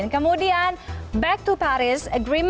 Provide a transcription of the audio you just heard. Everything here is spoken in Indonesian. kemudian back to paris